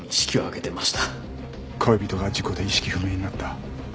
恋人が事故で意識不明になった。